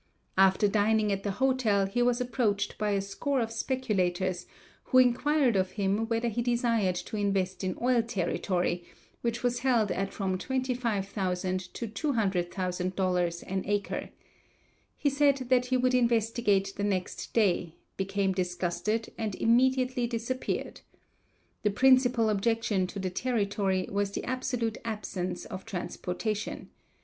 After dining at the hotel he was approached by a score of speculators who inquired of him whether he desired to invest in oil territory, which was held at from $25,000 to $200,000 an acre. He said that he would investigate the next day, became disgusted and immediately disappeared. The principal objection to the territory was the absolute absence of transportation.